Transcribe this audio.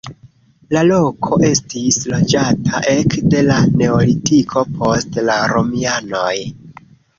La loko estis loĝata ekde la neolitiko post la romianoj.